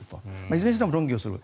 いずれにしても論議をする。